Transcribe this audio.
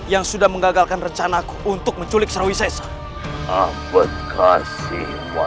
yang sudah mengagalkan rencanaku untuk menculik serwises